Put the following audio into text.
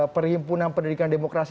perhimpunan pendidikan demokrasi